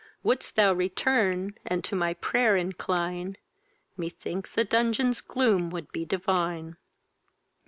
Would'st thou return, and to my pray'r incline, Methinks a dungeon's gloom would be divine!